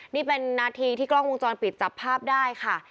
นี่เป็นนาทีที่กล้องวงจรปิดจับภาพได้ค่ะ